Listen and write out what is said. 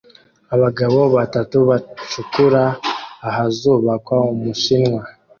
Abagabo batatu bacukura ahazubakwa Ubushinwa